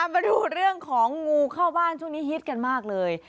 มาดูเรื่องของงูเข้าบ้านช่วงนี้ฮิตกันมากเลย